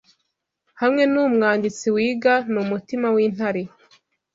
hamwe numwanditsi wiga numutima wintare